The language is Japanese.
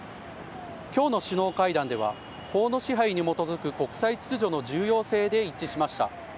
今日の首脳会談では、法の支配に基づく国際秩序の重要性で一致しました。